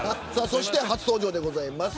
そして、初登場でございます。